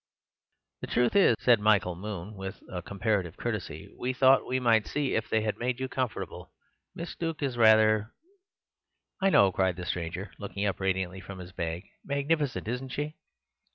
"The truth is," said Michael Moon with comparative courtesy, "we thought we might see if they had made you comfortable. Miss Duke is rather—" "I know," cried the stranger, looking up radiantly from his bag; "magnificent, isn't she?